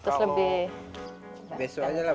iuran sebesar sepuluh rupiah per hari ternyata